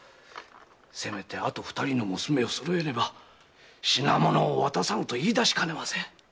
せめてあと二人の娘を揃えねば品物を渡さぬと言い出すかも。